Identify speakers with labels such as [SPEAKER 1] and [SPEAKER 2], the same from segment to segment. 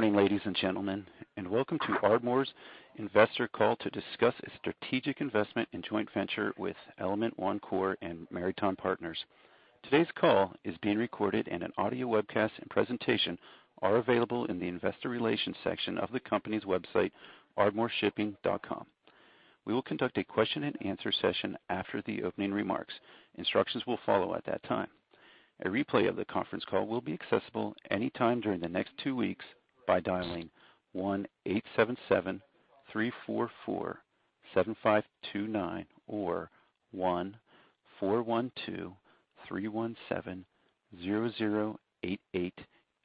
[SPEAKER 1] Good morning, ladies and gentlemen, and welcome to Ardmore's investor call to discuss a strategic investment in joint venture with Element 1 Corp and Maritime Partners. Today's call is being recorded, and an audio webcast and presentation are available in the investor relations section of the company's website, ardmoreshipping.com. We will conduct a question and answer session after the opening remarks. Instructions will follow at that time. A replay of the conference call will be accessible anytime during the next two weeks by dialing 1-877-344-7529, or 1-412-317-0088,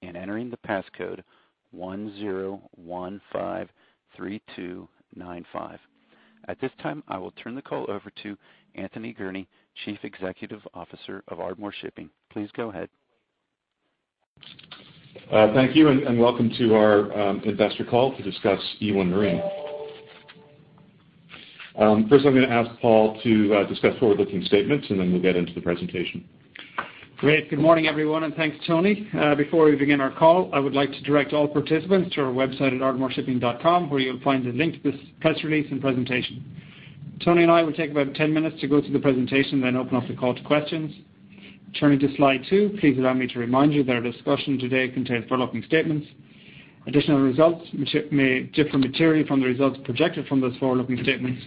[SPEAKER 1] and entering the passcode 10153295. At this time, I will turn the call over to Anthony Gurnee, Chief Executive Officer of Ardmore Shipping. Please go ahead.
[SPEAKER 2] Thank you, and welcome to our investor call to discuss e1 Marine. First, I'm going to ask Paul to discuss forward-looking statements, and then we'll get into the presentation.
[SPEAKER 3] Great. Good morning, everyone, and thanks, Tony. Before we begin our call, I would like to direct all participants to our website at ardmoreshipping.com, where you'll find a link to this press release and presentation. Tony and I will take about 10 minutes to go through the presentation, then open up the call to questions. Turning to slide two, please allow me to remind you that our discussion today contains forward-looking statements. Additional results which may differ materially from the results projected from those forward-looking statements,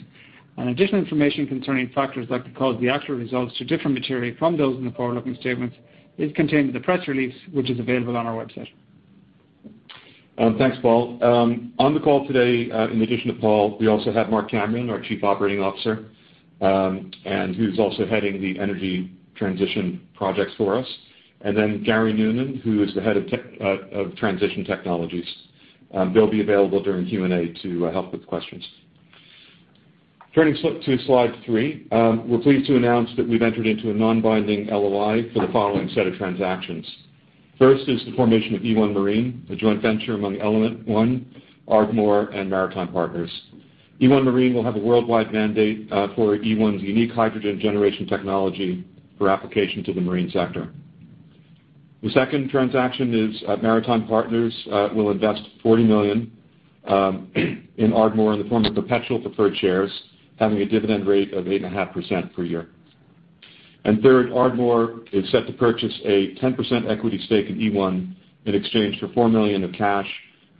[SPEAKER 3] and additional information concerning factors that could cause the actual results to differ materially from those in the forward-looking statements is contained in the press release, which is available on our website.
[SPEAKER 2] Thanks, Paul. On the call today, in addition to Paul, we also have Mark Cameron, our Chief Operating Officer, and who's also heading the energy transition projects for us, and then Garry Noonan, who is the Head of Transition Technologies. They'll be available during Q&A to help with questions. Turning to slide three, we're pleased to announce that we've entered into a non-binding LOI for the following set of transactions. First is the formation of e1 Marine, a joint venture among Element 1, Ardmore, and Maritime Partners. e1 Marine will have a worldwide mandate for e1's unique hydrogen generation technology for application to the marine sector. The second transaction is, Maritime Partners will invest $40 million in Ardmore in the form of perpetual preferred shares, having a dividend rate of 8.5% per year. And third, Ardmore is set to purchase a 10% equity stake in e1 in exchange for $4 million of cash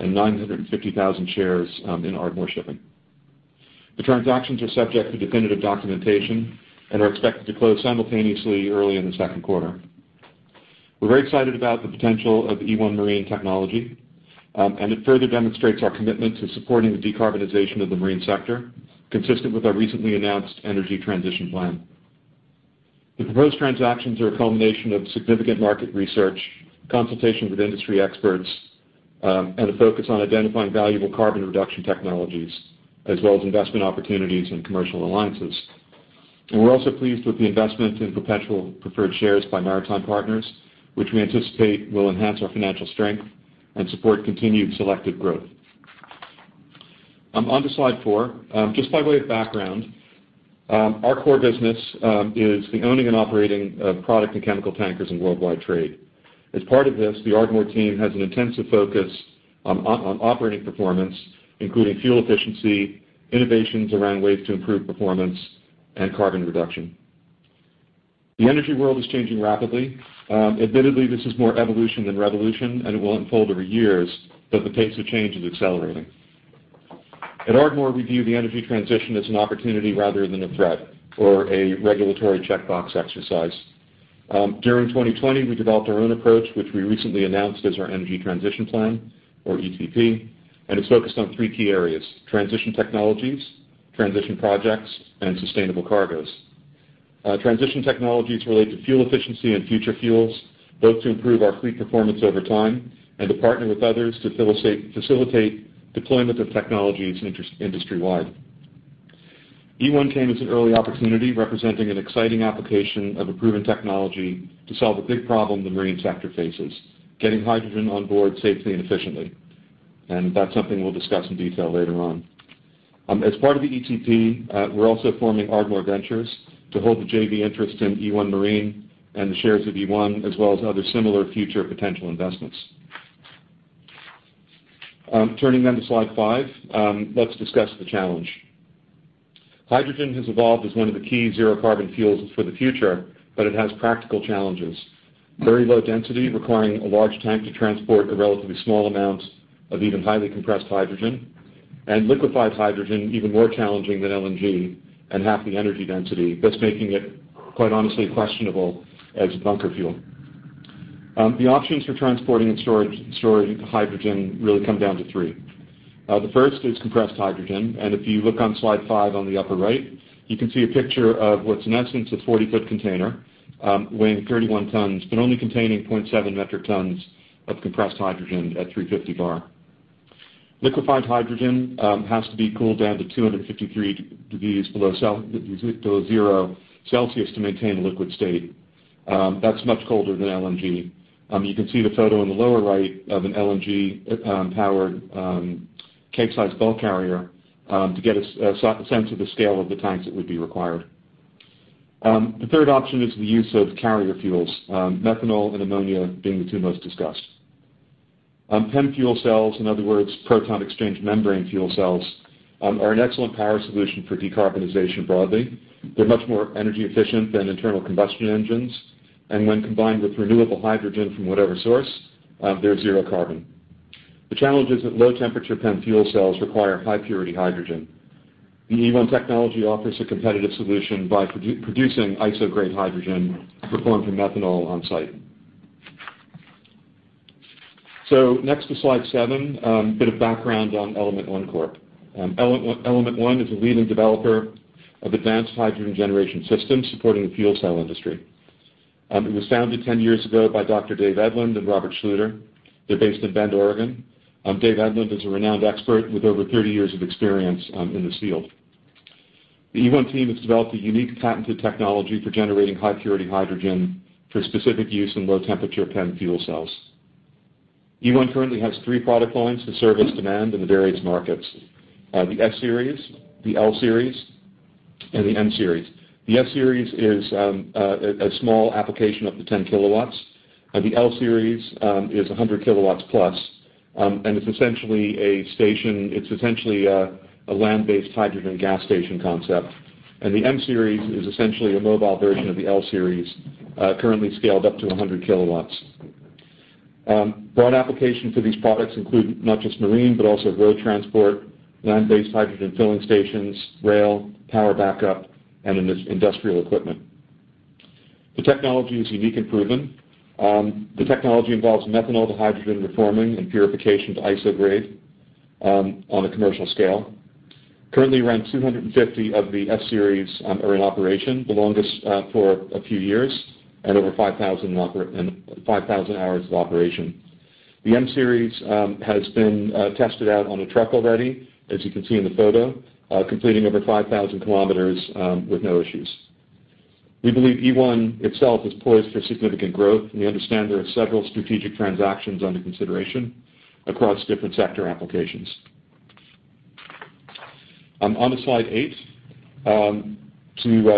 [SPEAKER 2] and 950,000 shares in Ardmore Shipping. The transactions are subject to definitive documentation and are expected to close simultaneously early in the second quarter. We're very excited about the potential of e1 Marine technology, and it further demonstrates our commitment to supporting the decarbonization of the marine sector, consistent with our recently announced energy transition plan. The proposed transactions are a culmination of significant market research, consultation with industry experts, and a focus on identifying valuable carbon reduction technologies, as well as investment opportunities and commercial alliances. We're also pleased with the investment in perpetual preferred shares by Maritime Partners, which we anticipate will enhance our financial strength and support continued selective growth. Onto slide four. Just by way of background, our core business is the owning and operating of product and chemical tankers in worldwide trade. As part of this, the Ardmore team has an intensive focus on operating performance, including fuel efficiency, innovations around ways to improve performance, and carbon reduction. The energy world is changing rapidly. Admittedly, this is more evolution than revolution, and it will unfold over years, but the pace of change is accelerating. At Ardmore, we view the energy transition as an opportunity rather than a threat or a regulatory checkbox exercise. During 2020, we developed our own approach, which we recently announced as our energy transition plan, or ETP, and it's focused on three key areas: transition technologies, transition projects, and sustainable cargoes. Transition technologies relate to fuel efficiency and future fuels, both to improve our fleet performance over time and to partner with others to facilitate deployment of technologies industry-wide. e1 came as an early opportunity, representing an exciting application of a proven technology to solve a big problem the marine sector faces: getting hydrogen on board safely and efficiently. That's something we'll discuss in detail later on. As part of the ETP, we're also forming Ardmore Ventures to hold the JV interest in e1 Marine and the shares of e1, as well as other similar future potential investments. Turning then to slide five, let's discuss the challenge. Hydrogen has evolved as one of the key zero carbon fuels for the future, but it has practical challenges. Very low density, requiring a large tank to transport a relatively small amount of even highly compressed hydrogen, and liquefied hydrogen, even more challenging than LNG and half the energy density, thus making it, quite honestly, questionable as a bunker fuel. The options for transporting and storage, storing hydrogen really come down to three. The first is compressed hydrogen, and if you look on slide five on the upper right, you can see a picture of what's, in essence, a 40 ft container, weighing 31 tons, but only containing 0.7 metric tons of compressed hydrogen at 350 bar. Liquefied hydrogen has to be cooled down to 253 degrees below 0 Celsius to maintain a liquid state. That's much colder than LNG. You can see the photo in the lower right of an LNG powered Capesize bulk carrier to get a sense of the scale of the tanks that would be required. The third option is the use of carrier fuels, methanol and ammonia being the two most discussed. PEM fuel cells, in other words, proton exchange membrane fuel cells, are an excellent power solution for decarbonization broadly. They're much more energy efficient than internal combustion engines, and when combined with renewable hydrogen from whatever source, they're zero carbon. The challenge is that low-temperature PEM fuel cells require high-purity hydrogen. The e1 technology offers a competitive solution by producing ISO-grade hydrogen reformed from methanol on-site. So next to slide seven, a bit of background on Element 1 Corp. Element 1 is a leading developer of advanced hydrogen generation systems supporting the fuel cell industry. It was founded 10 years ago by Dr. Dave Edlund and Robert Schluter. They're based in Bend, Oregon. Dave Edlund is a renowned expert with over 30 years of experience in this field. The e1 team has developed a unique patented technology for generating high-purity hydrogen for specific use in low-temperature PEM fuel cells. e1 currently has three product lines that serve as demand in the various markets: the S Series, the L Series, and the M Series. The S Series is a small application up to 10 kW, and the L Series is 100 kW+, and it's essentially a land-based hydrogen gas station concept. The M Series is essentially a mobile version of the L Series, currently scaled up to 100 kWs. Broad application for these products include not just marine, but also road transport, land-based hydrogen filling stations, rail, power backup, and industrial equipment. The technology is unique and proven. The technology involves methanol to hydrogen reforming and purification to ISO grade on a commercial scale. Currently, around 250 of the S Series are in operation, the longest for a few years, and over 5,000 hours of operation. The M Series has been tested out on a truck already, as you can see in the photo, completing over 5,000 km with no issues. We believe e1 itself is poised for significant growth, and we understand there are several strategic transactions under consideration across different sector applications. On to slide eight, to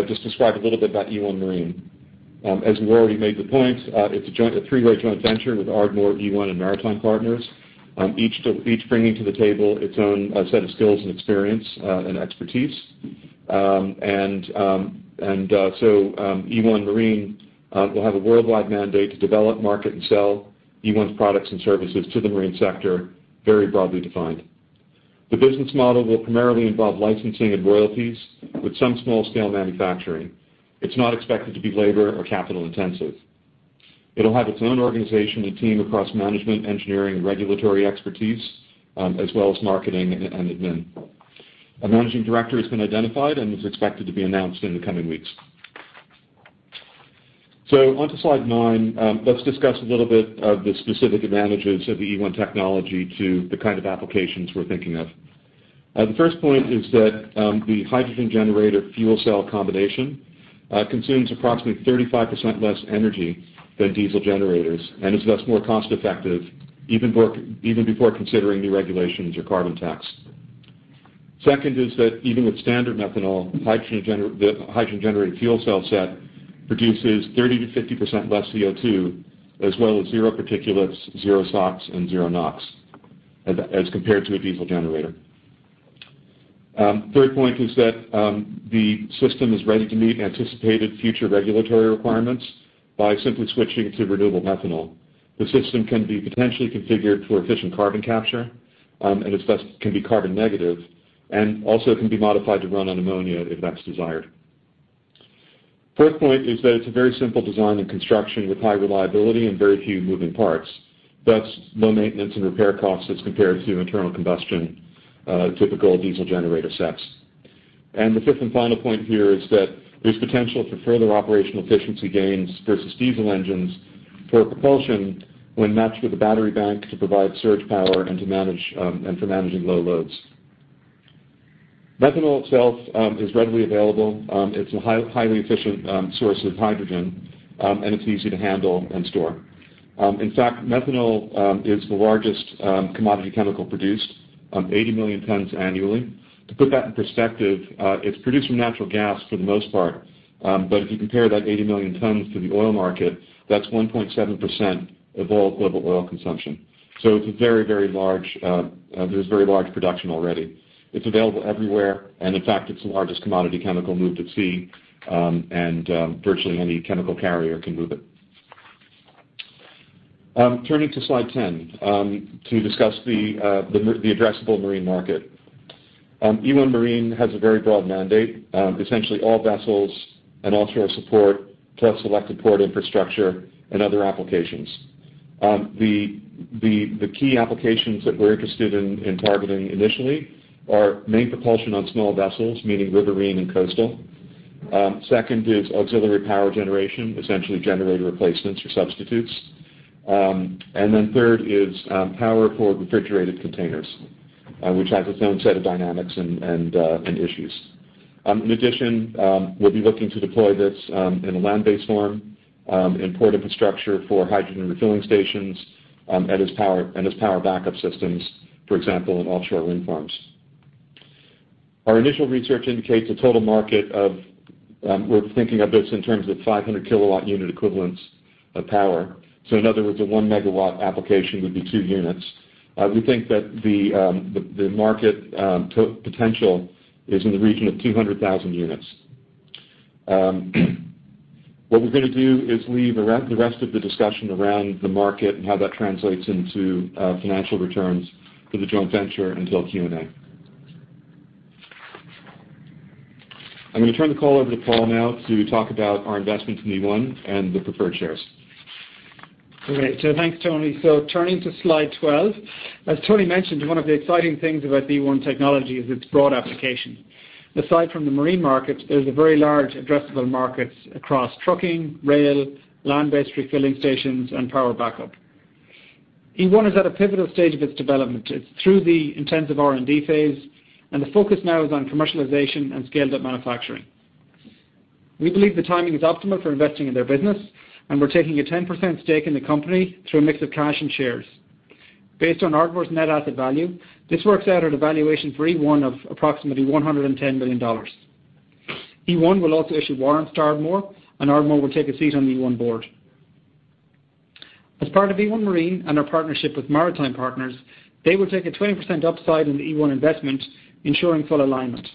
[SPEAKER 2] just describe a little bit about e1 Marine. As we've already made the point, it's a joint, a three-way joint venture with Ardmore, e1, and Maritime Partners, each bringing to the table its own set of skills and experience, and expertise. e1 Marine will have a worldwide mandate to develop, market, and sell e1's products and services to the marine sector, very broadly defined. The business model will primarily involve licensing and royalties with some small-scale manufacturing. It's not expected to be labor or capital intensive. It'll have its own organization and team across management, engineering, and regulatory expertise, as well as marketing and admin. A managing director has been identified and is expected to be announced in the coming weeks. On to slide nine, let's discuss a little bit of the specific advantages of the e1 technology to the kind of applications we're thinking of. The first point is that the hydrogen generator fuel cell combination consumes approximately 35% less energy than diesel generators and is thus more cost-effective, even before considering new regulations or carbon tax. Second is that even with standard methanol, the hydrogen-generated fuel cell set produces 30%-50% less CO2, as well as zero particulates, zero SOx, and zero NOx as compared to a diesel generator. Third point is that the system is ready to meet anticipated future regulatory requirements by simply switching to renewable methanol. The system can be potentially configured for efficient carbon capture, and it can be carbon negative, and also can be modified to run on ammonia if that's desired. Fourth point is that it's a very simple design and construction with high reliability and very few moving parts, thus low maintenance and repair costs as compared to internal combustion, typical diesel generator sets. The fifth and final point here is that there's potential for further operational efficiency gains versus diesel engines for propulsion when matched with a battery bank to provide surge power and to manage, and for managing low loads. Methanol itself is readily available. It's a highly efficient source of hydrogen, and it's easy to handle and store. In fact, methanol is the largest commodity chemical produced 80 million tons annually. To put that in perspective, it's produced from natural gas for the most part, but if you compare that 80 million tons to the oil market, that's 1.7% of all global oil consumption. So it's a very, very large. There's very large production already. It's available everywhere, and in fact, it's the largest commodity chemical moved at sea, and virtually any chemical carrier can move it. Turning to Slide 10, to discuss the addressable marine market. e1 Marine has a very broad mandate, essentially all vessels and offshore support, plus selected port infrastructure and other applications. The key applications that we're interested in targeting initially are main propulsion on small vessels, meaning riverine and coastal. Second is auxiliary power generation, essentially generator replacements or substitutes. And then third is power for refrigerated containers, which has its own set of dynamics and issues. In addition, we'll be looking to deploy this in a land-based form in port infrastructure for hydrogen refueling stations, and as power backup systems, for example, in offshore wind farms. Our initial research indicates a total market of. We're thinking of this in terms of 500 kW unit equivalents of power. So in other words, a 1 MW application would be two units. We think that the market potential is in the region of 200,000 units. What we're gonna do is leave the rest of the discussion around the market and how that translates into financial returns for the joint venture until Q&A. I'm gonna turn the call over to Paul now to talk about our investment in e1 and the preferred shares.
[SPEAKER 3] Okay. So thanks, Tony. So turning to slide 12, as Tony mentioned, one of the exciting things about e1 technology is its broad application. Aside from the marine market, there's a very large addressable markets across trucking, rail, land-based refilling stations, and power backup. e1 is at a pivotal stage of its development. It's through the intensive R&D phase, and the focus now is on commercialization and scaled-up manufacturing. We believe the timing is optimal for investing in their business, and we're taking a 10% stake in the company through a mix of cash and shares. Based on Ardmore's net asset value, this works out at a valuation for e1 of approximately $110 million. e1 will also issue warrants to Ardmore, and Ardmore will take a seat on the e1 board. As part of e1 Marine and our partnership with Maritime Partners, they will take a 20% upside in the e1 investment, ensuring full alignment.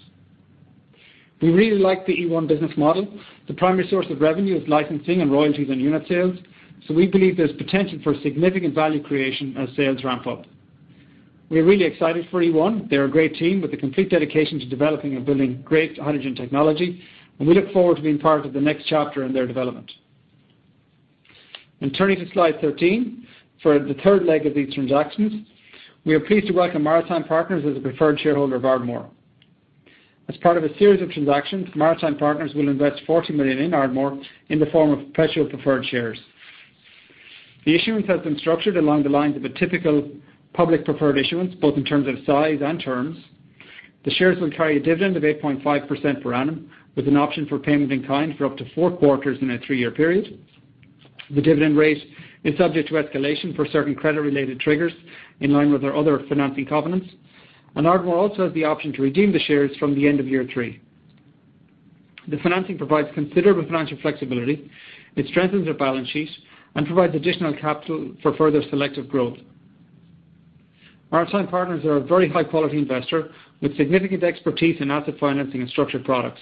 [SPEAKER 3] We really like the e1 business model. The primary source of revenue is licensing and royalties on unit sales, so we believe there's potential for significant value creation as sales ramp up. We're really excited for e1. They're a great team with a complete dedication to developing and building great hydrogen technology, and we look forward to being part of the next chapter in their development. And turning to slide 13, for the third leg of these transactions, we are pleased to welcome Maritime Partners as a preferred shareholder of Ardmore. As part of a series of transactions, Maritime Partners will invest $40 million in Ardmore in the form of perpetual preferred shares. The issuance has been structured along the lines of a typical public preferred issuance, both in terms of size and terms. The shares will carry a dividend of 8.5% per annum, with an option for payment in kind for up to four quarters in a three year period. The dividend rate is subject to escalation for certain credit-related triggers in line with our other financing covenants, and Ardmore also has the option to redeem the shares from the end of year three. The financing provides considerable financial flexibility, it strengthens our balance sheet, and provides additional capital for further selective growth. Maritime Partners are a very high-quality investor with significant expertise in asset financing and structured products,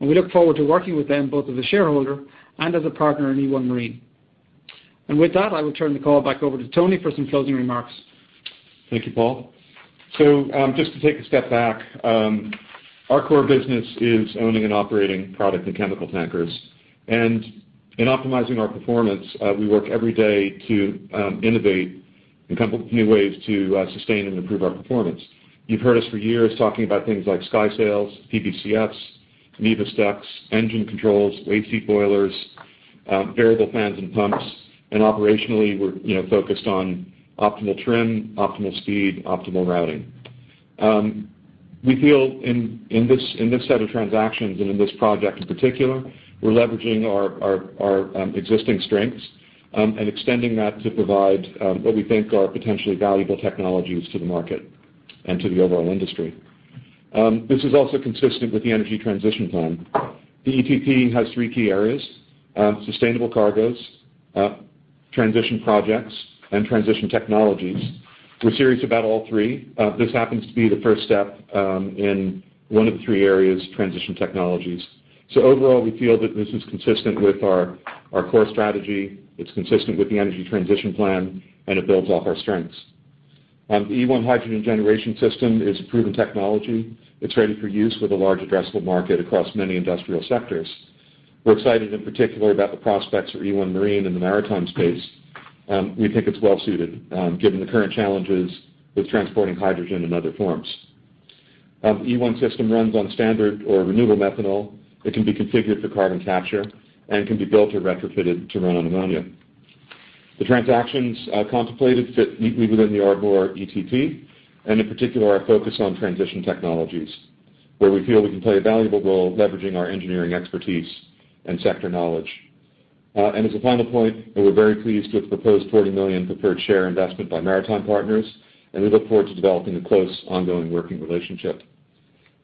[SPEAKER 3] and we look forward to working with them both as a shareholder and as a partner in e1 Marine. With that, I will turn the call back over to Tony for some closing remarks.
[SPEAKER 2] Thank you, Paul. So, just to take a step back, our core business is owning and operating product and chemical tankers. And in optimizing our performance, we work every day to innovate and come up with new ways to sustain and improve our performance. You've heard us for years talking about things like SkySails, PBCFs, Mewis Ducts, Engine Controls, AC Boilers, variable fans and pumps, and operationally, we're, you know, focused on optimal trim, optimal speed, optimal routing. We feel in this set of transactions, and in this project, in particular, we're leveraging our existing strengths, and extending that to provide what we think are potentially valuable technologies to the market and to the overall industry. This is also consistent with the energy transition plan. The ETP has three key areas: sustainable cargoes, transition projects, and transition technologies. We're serious about all three. This happens to be the first step in one of the three areas, transition technologies. So overall, we feel that this is consistent with our core strategy, it's consistent with the energy transition plan, and it builds off our strengths. The e1 hydrogen generation system is a proven technology. It's ready for use with a large addressable market across many industrial sectors. We're excited, in particular, about the prospects for e1 Marine in the maritime space. We think it's well suited, given the current challenges with transporting hydrogen in other forms. The e1 system runs on standard or renewable methanol. It can be configured for carbon capture and can be built or retrofitted to run on ammonia. The transactions contemplated fit neatly within the Ardmore ETP, and in particular, our focus on transition technologies, where we feel we can play a valuable role leveraging our engineering expertise and sector knowledge. As a final point, we're very pleased with the proposed $40 million preferred share investment by Maritime Partners, and we look forward to developing a close, ongoing working relationship.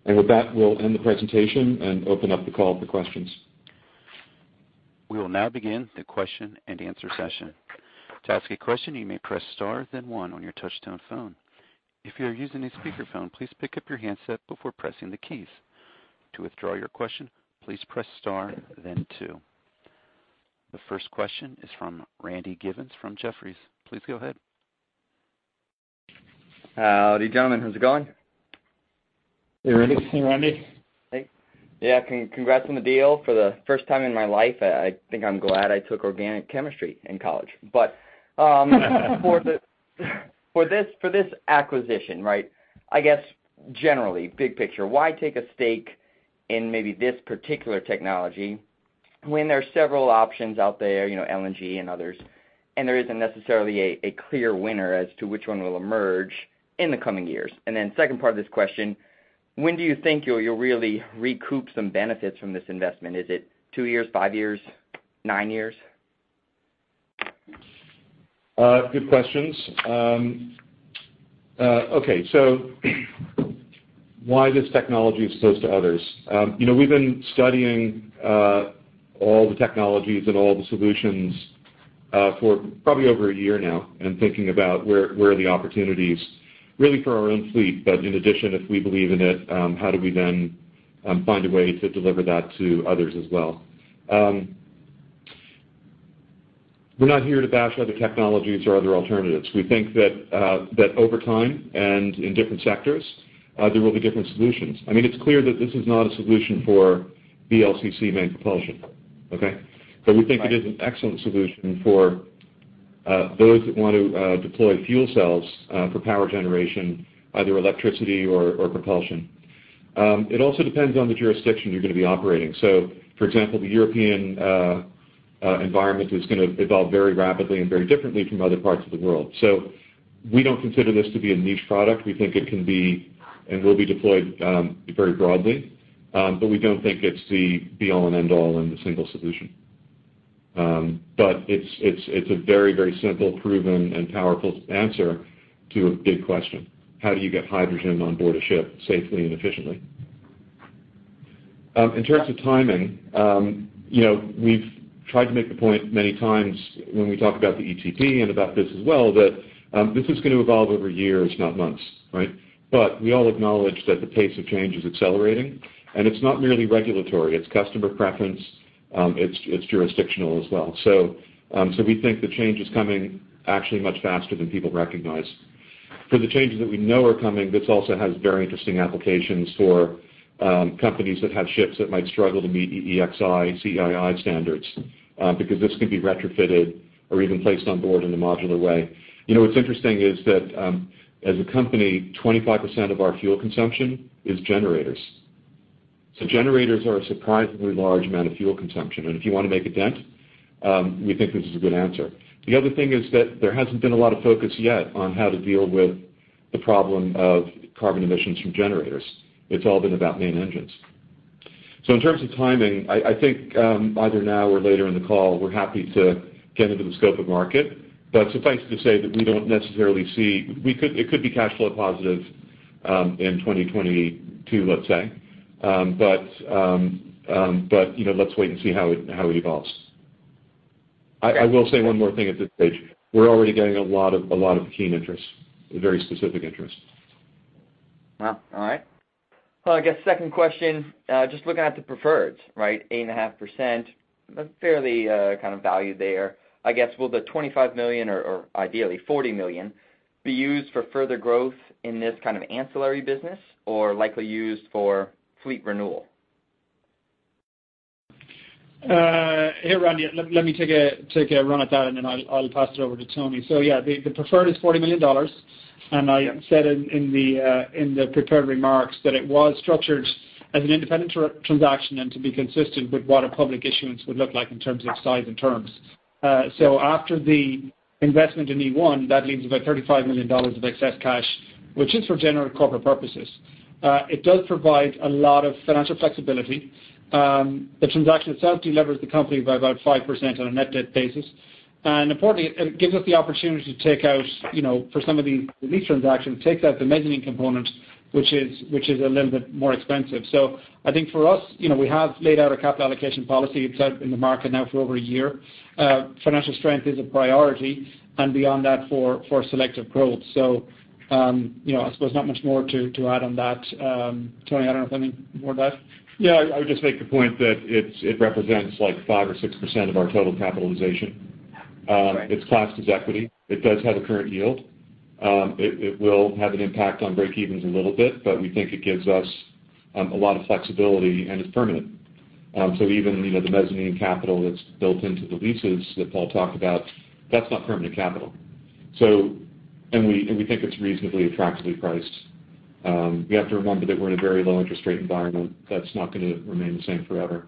[SPEAKER 2] With that, we'll end the presentation and open up the call for questions.
[SPEAKER 1] We will now begin the question-and-answer session. To ask a question, you may press star, then one on your touchtone phone. If you are using a speakerphone, please pick up your handset before pressing the keys. To withdraw your question, please press star then two. The first question is from Randy Giveans from Jefferies. Please go ahead.
[SPEAKER 4] Howdy, gentlemen, how's it going?
[SPEAKER 2] Hey, Randy.
[SPEAKER 4] Hey. Yeah, congrats on the deal. For the first time in my life, I think I'm glad I took organic chemistry in college. But for this acquisition, right, I guess, generally, big picture, why take a stake in maybe this particular technology when there are several options out there, you know, LNG and others, and there isn't necessarily a clear winner as to which one will emerge in the coming years? And then second part of this question: When do you think you'll really recoup some benefits from this investment? Is it two years, five years, nine years?
[SPEAKER 2] Good questions. Okay, so why this technology as opposed to others? You know, we've been studying all the technologies and all the solutions for probably over a year now, and thinking about where the opportunities really are for our own fleet. But in addition, if we believe in it, how do we then find a way to deliver that to others as well? We're not here to bash other technologies or other alternatives. We think that over time, and in different sectors, there will be different solutions. I mean, it's clear that this is not a solution for VLCC main propulsion, okay? But we think it is an excellent solution for those that want to deploy fuel cells for power generation, either electricity or propulsion. It also depends on the jurisdiction you're going to be operating. So, for example, the European environment is gonna evolve very rapidly and very differently from other parts of the world. So we don't consider this to be a niche product. We think it can be and will be deployed very broadly. But we don't think it's the be-all and end-all and the single solution. But it's a very, very simple, proven, and powerful answer to a big question: How do you get hydrogen on board a ship safely and efficiently? In terms of timing, you know, we've tried to make the point many times when we talk about the ETP and about this as well, that this is going to evolve over years, not months, right? But we all acknowledge that the pace of change is accelerating, and it's not merely regulatory, it's customer preference, it's jurisdictional as well. So we think the change is coming actually much faster than people recognize. For the changes that we know are coming, this also has very interesting applications for companies that have ships that might struggle to meet EEXI, CII standards, because this can be retrofitted or even placed on board in a modular way. You know, what's interesting is that, as a company, 25% of our fuel consumption is generators. So generators are a surprisingly large amount of fuel consumption, and if you want to make a dent, we think this is a good answer. The other thing is that there hasn't been a lot of focus yet on how to deal with the problem of carbon emissions from generators. It's all been about main engines. So in terms of timing, I, I think, either now or later in the call, we're happy to get into the scope of market. But suffice to say that we don't necessarily see we could it could be cash flow positive, in 2022, let's say. But, you know, let's wait and see how it, how it evolves. I, I will say one more thing at this stage. We're already getting a lot of, a lot of keen interest, very specific interest.
[SPEAKER 4] Well, all right. Well, I guess second question, just looking at the preferred, right, 8.5%, a fairly kind of value there. I guess, will the $25 million or, or ideally $40 million, be used for further growth in this kind of ancillary business or likely used for fleet renewal?
[SPEAKER 3] Hey, Randy, let me take a run at that, and then I'll pass it over to Tony. So yeah, the preferred is $40 million. And I said in the prepared remarks that it was structured as an independent transaction and to be consistent with what a public issuance would look like in terms of size and terms. So after the investment in e1, that leaves about $35 million of excess cash, which is for general corporate purposes. It does provide a lot of financial flexibility. The transaction itself delevers the company by about 5% on a net debt basis. And importantly, it gives us the opportunity to take out, you know, for some of the lease transactions, takes out the mezzanine component, which is a little bit more expensive. So I think for us, you know, we have laid out a capital allocation policy. It's out in the market now for over a year. Financial strength is a priority, and beyond that, for selective growth. So, you know, I suppose not much more to add on that. Tony, I don't know if you have anything more to add.
[SPEAKER 2] Yeah, I would just make the point that it represents like 5% or 6% of our total capitalization.
[SPEAKER 4] Right.
[SPEAKER 2] It's classed as equity. It does have a current yield. It will have an impact on Breakevens a little bit, but we think it gives us a lot of flexibility, and it's permanent. So even, you know, the Mezzanine capital that's built into the leases that Paul talked about, that's not permanent capital. And we think it's reasonably attractively priced. We have to remember that we're in a very low interest rate environment. That's not going to remain the same forever.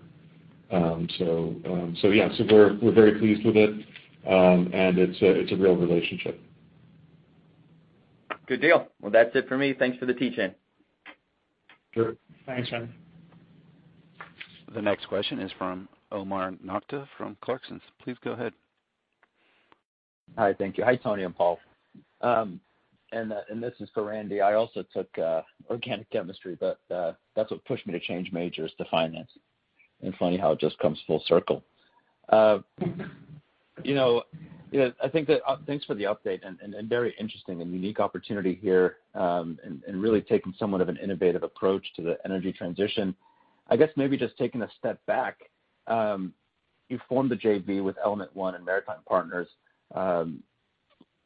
[SPEAKER 2] So, yeah, we're very pleased with it. And it's a real relationship.
[SPEAKER 4] Good deal. Well, that's it for me. Thanks for the teach-in.
[SPEAKER 2] Sure.
[SPEAKER 3] Thanks, Randy.
[SPEAKER 1] The next question is from Omar Nokta from Clarksons. Please go ahead.
[SPEAKER 5] Hi. Thank you. Hi, Tony and Paul. And this is for Randy. I also took organic chemistry, but that's what pushed me to change majors to finance, and funny how it just comes full circle. You know, you know, I think that thanks for the update and very interesting and unique opportunity here, and really taking somewhat of an innovative approach to the energy transition. I guess maybe just taking a step back, you formed a JV with Element 1 and Maritime Partners.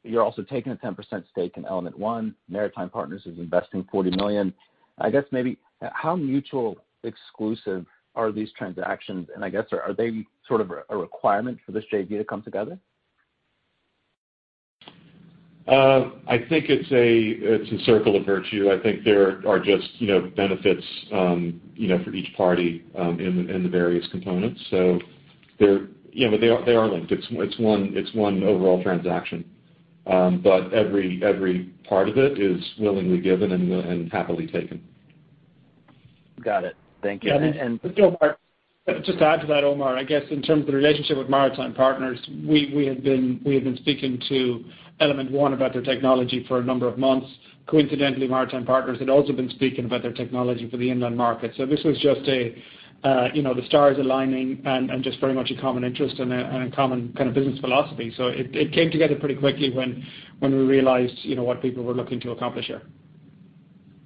[SPEAKER 5] You're also taking a 10% stake in Element 1. Maritime Partners is investing $40 million. I guess maybe how mutually exclusive are these transactions? And I guess, are they sort of a requirement for this JV to come together?
[SPEAKER 2] I think it's a circle of virtue. I think there are just, you know, benefits, you know, for each party, in the various components. Yeah, but they are linked. It's one overall transaction. But every part of it is willingly given and happily taken.
[SPEAKER 5] Got it. Thank you.
[SPEAKER 3] Yeah, and just to add to that, Omar, I guess in terms of the relationship with Maritime Partners, we had been speaking to Element 1 about their technology for a number of months. Coincidentally, Maritime Partners had also been speaking about their technology for the inland market. So this was just a, you know, the stars aligning and just very much a common interest and a common kind of business philosophy. So it came together pretty quickly when we realized, you know, what people were looking to accomplish here.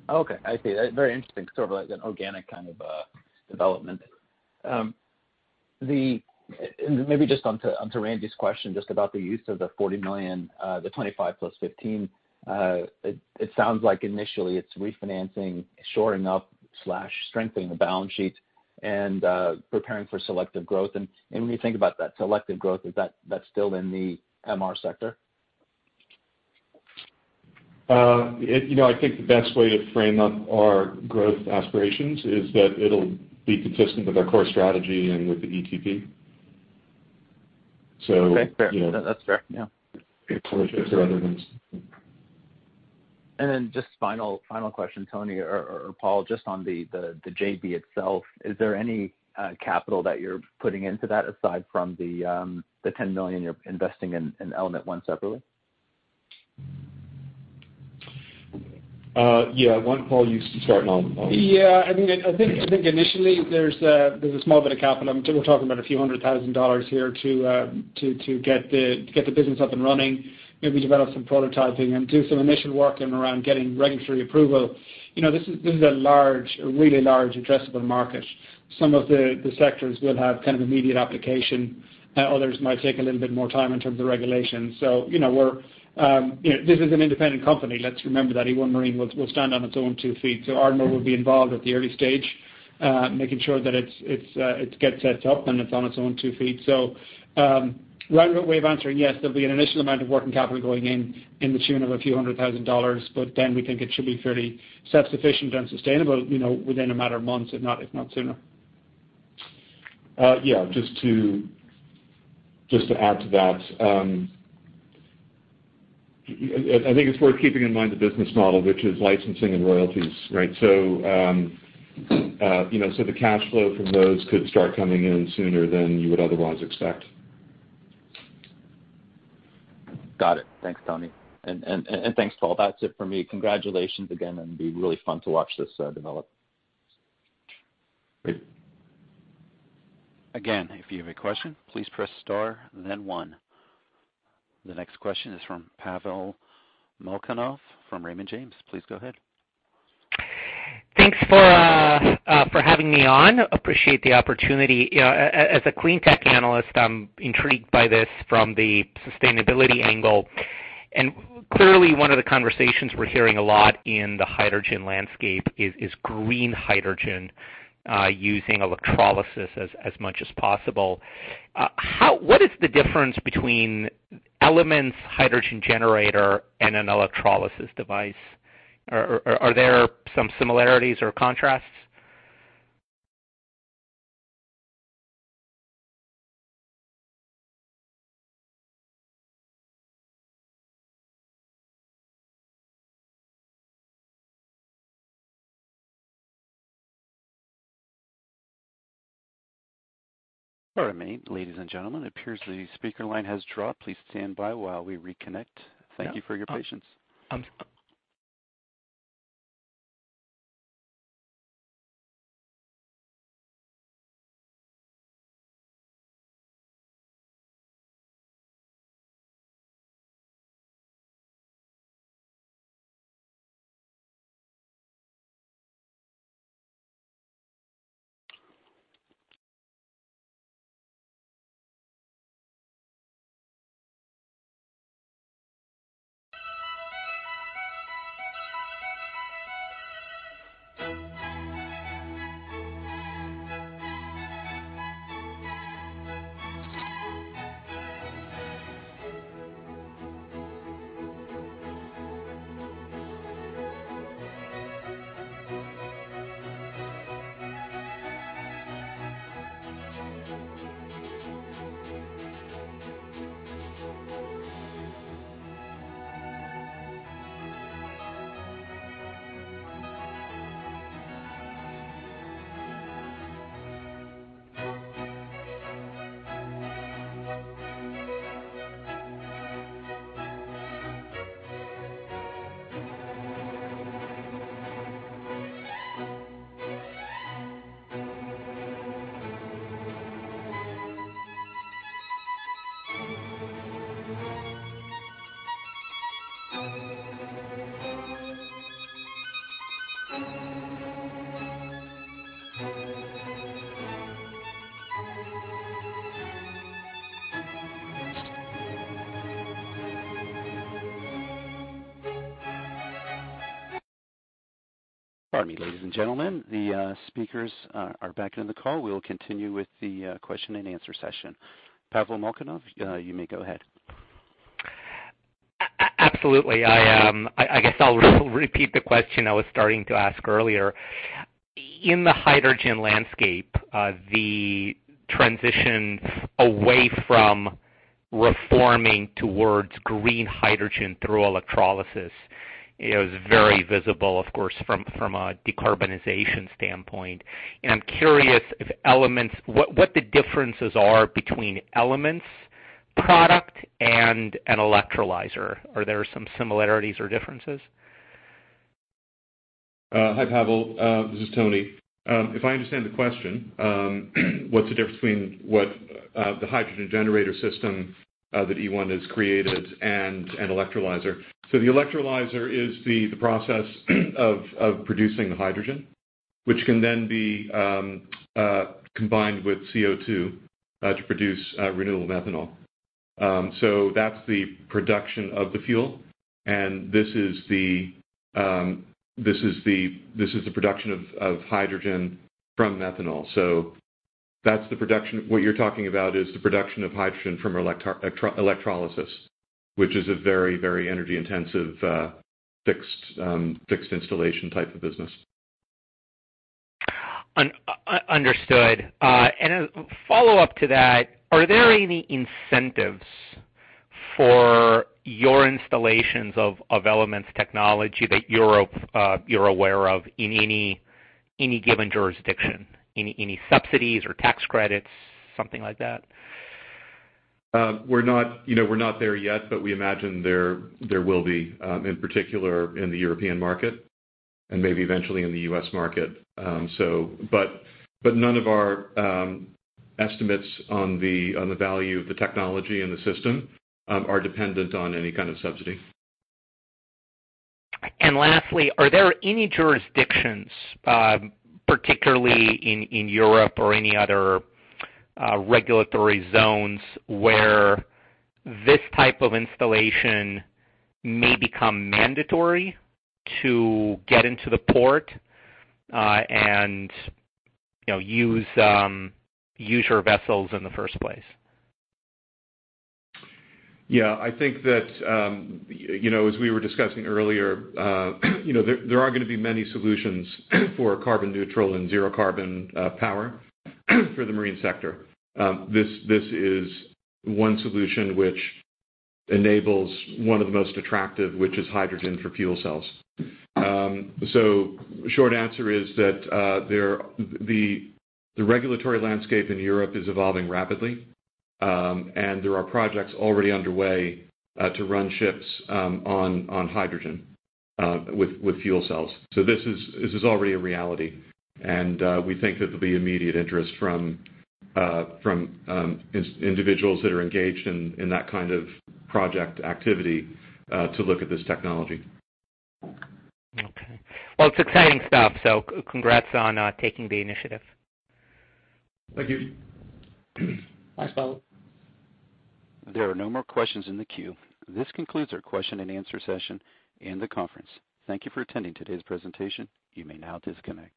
[SPEAKER 5] Okay, I see. Very interesting, sort of like an organic kind of development. And maybe just onto Randy's question, just about the use of the $40 million, the $25 million + $15 million. It sounds like initially it's refinancing, shoring up slash strengthening the balance sheet and preparing for selective growth. And when you think about that selective growth, is that that's still in the MR sector?
[SPEAKER 2] you know, I think the best way to frame up our growth aspirations is that it'll be consistent with our core strategy and with the ETP. So.
[SPEAKER 5] Okay. Fair. That's fair, yeah.
[SPEAKER 2] So other than.
[SPEAKER 5] And then just final question, Tony or Paul, just on the JV itself, is there any capital that you're putting into that aside from the $10 million you're investing in Element 1 separately?
[SPEAKER 2] Yeah, why don't you, Paul, start on this?
[SPEAKER 3] Yeah, I mean, I think initially there's a small bit of capital. I'm sure we're talking about a few hundred thousand dollars here to get the business up and running, maybe develop some prototyping and do some initial work in and around getting regulatory approval. You know, this is a large, a really large addressable market. Some of the sectors will have kind of immediate application, others might take a little bit more time in terms of regulation. So, you know, this is an independent company. Let's remember that e1 Marine will stand on its own two feet. So Ardmore will be involved at the early stage, making sure that it gets set up and it's on its own 2 ft. A long way of answering, yes, there'll be an initial amount of working capital going in, to the tune of a few hundred thousand dollars, but then we think it should be fairly self-sufficient and sustainable, you know, within a matter of months, if not, if not sooner.
[SPEAKER 2] Yeah, just to add to that, I think it's worth keeping in mind the business model, which is licensing and royalties, right? So, you know, so the cash flow from those could start coming in sooner than you would otherwise expect.
[SPEAKER 5] Got it. Thanks, Tony. And thanks, Paul. That's it for me. Congratulations again, and it'll be really fun to watch this develop.
[SPEAKER 2] Great.
[SPEAKER 1] Again, if you have a question, please press Star then One. The next question is from Pavel Molchanov, from Raymond James. Please go ahead.
[SPEAKER 6] Thanks for having me on. Appreciate the opportunity. As a clean tech analyst, I'm intrigued by this from the sustainability angle. Clearly, one of the conversations we're hearing a lot in the hydrogen landscape is green hydrogen using electrolysis as much as possible. How. What is the difference between Element's hydrogen generator and an electrolysis device? Or are there some similarities or contrasts?
[SPEAKER 1] Pardon me, ladies and gentlemen, it appears the speaker line has dropped. Please stand by while we reconnect. Thank you for your patience. Pardon me, ladies and gentlemen, the speakers are back in the call. We'll continue with the question and answer session. Pavel Molchanov, you may go ahead.
[SPEAKER 6] Absolutely. I guess I'll repeat the question I was starting to ask earlier. In the hydrogen landscape, the transition away from reforming towards green hydrogen through electrolysis. It was very visible, of course, from a decarbonization standpoint. And I'm curious if Element's, what the differences are between Element's product and an electrolyzer. Are there some similarities or differences?
[SPEAKER 2] Hi, Pavel. This is Tony. If I understand the question, what's the difference between the hydrogen generator system that e1 has created and an electrolyzer? So the electrolyzer is the process of producing the hydrogen, which can then be combined with CO2 to produce renewable methanol. So that's the production of the fuel, and this is the production of hydrogen from methanol. So that's the production. What you're talking about is the production of hydrogen from electrolysis, which is a very energy-intensive fixed installation type of business.
[SPEAKER 6] Understood. And a follow-up to that, are there any incentives for your installations of Element's technology that you're aware of in any given jurisdiction? Any subsidies or tax credits, something like that?
[SPEAKER 2] We're not, you know, we're not there yet, but we imagine there will be, in particular in the European market and maybe eventually in the U.S. market. But none of our estimates on the value of the technology and the system are dependent on any kind of subsidy.
[SPEAKER 6] And lastly, are there any jurisdictions, particularly in Europe or any other regulatory zones, where this type of installation may become mandatory to get into the port, and, you know, use your vessels in the first place?
[SPEAKER 2] Yeah, I think that, you know, as we were discussing earlier, you know, there are gonna be many solutions for carbon neutral and zero carbon power for the marine sector. This is one solution which enables one of the most attractive, which is hydrogen for fuel cells. So short answer is that, the regulatory landscape in Europe is evolving rapidly, and there are projects already underway to run ships on hydrogen with fuel cells. So this is already a reality, and we think that there'll be immediate interest from individuals that are engaged in that kind of project activity to look at this technology.
[SPEAKER 6] Okay. Well, it's exciting stuff, so congrats on taking the initiative.
[SPEAKER 2] Thank you. Thanks, Pavel.
[SPEAKER 1] There are no more questions in the queue. This concludes our question and answer session and the conference. Thank you for attending today's presentation. You may now disconnect.